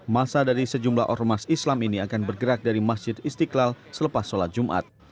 masa dari sejumlah ormas islam ini akan bergerak dari masjid istiqlal selepas sholat jumat